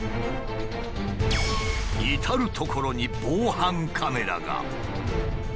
至る所に防犯カメラが。